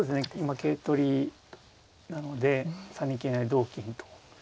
桂取りなので３二桂成同金と。